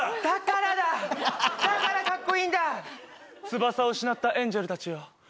だからかっこいいんだ翼を失ったエンジェルたちよ